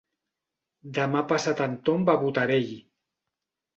Demà passat en Tom va a Botarell.